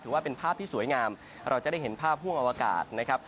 ว่าเป็นภาพที่สวยงามเราจะได้เห็นภาพห่วงอวกาศนะครับ